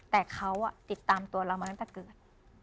แต่เขาติดตามตัวเรามาตั้งแต่เกิด